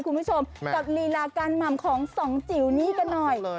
คุณผู้ชมกับลีลาการหม่ำของสองจิ๋วนี้กันหน่อย